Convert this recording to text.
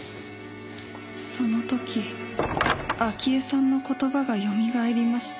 その時明江さんの言葉がよみがえりました。